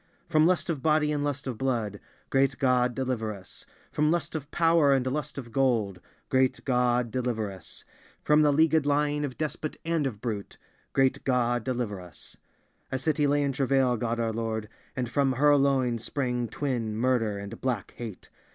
From lust of body and lust of bloodGreat God, deliver us! From lust of power and lust of gold, Great God, deliver us! From the leagued lying of despot and of brute, Great God, deliver us!A city lay in travail, God our Lord, and from her loins sprang twin Murder and Black Hate.